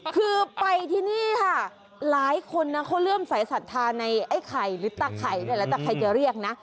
คือไปที่นี่ค่ะหลายคนน่ะเขาเริ่มใส่ศรัทธาในไอ้ไข่หรือตะไข่ได้ละตะไข่จะเรียกนะ